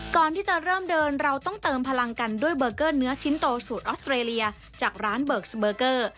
ก่อนที่จะเริ่มเดินเราต้องเติมพลังกันด้วยเบอร์เกอร์เนื้อชิ้นโตสูตรออสเตรเลียจากร้านเบิกสเบอร์เกอร์